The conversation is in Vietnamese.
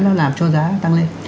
nó làm cho giá tăng lên